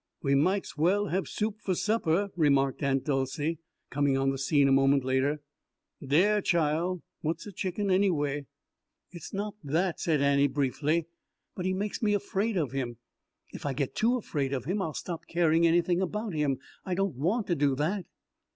"We might's well have soup for supper," remarked Aunt Dolcey, coming on the scene a moment later. "Dere, chile, what's a chicken, anyway?" "It's not that," said Annie briefly; "but he makes me afraid of him. If I get too afraid of him I'll stop caring anything about him. I don't want to do that."